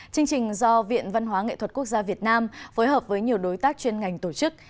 chương trình do viện văn hóa nghệ thuật quốc gia việt nam phối hợp với nhiều đối tác chuyên ngành tổ chức